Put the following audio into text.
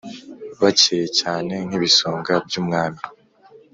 Bacyeye cyane nk’ibisonga by’umwami